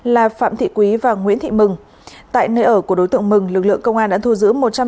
là phạm thị quý và nguyễn thị mừng tại nơi ở của đối tượng mừng lực lượng công an đã thu giữ